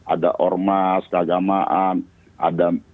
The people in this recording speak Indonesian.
ada ormas kagamaan adam